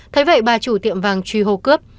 thấy vậy bà chủ tiệm vàng truy hô cướp